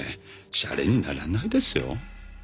シャレにならないですよ。